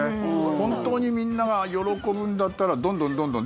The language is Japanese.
本当にみんなが喜ぶんだったらどんどんどんどん。